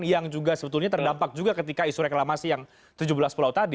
yang juga sebetulnya terdampak juga ketika isu reklamasi yang tujuh belas pulau tadi